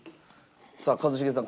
さあ一茂さん